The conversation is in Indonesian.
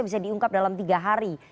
bisa diungkap dalam tiga hari